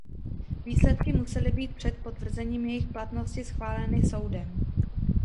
Výsledky musely být před potvrzením jejich platnosti schváleny soudem.